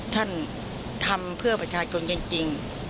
ท่านทำเพื่อประชาชนจริง